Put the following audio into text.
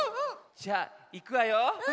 じゃあいくわよ！